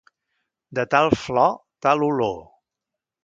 De tal flor, tal olor.